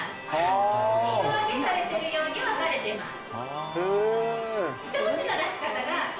糸分けされてるように分かれてます。